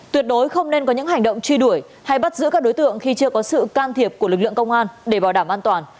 tuyệt đối không nên có những hành động truy đuổi hay bắt giữ các đối tượng khi chưa có sự can thiệp của lực lượng công an để bảo đảm an toàn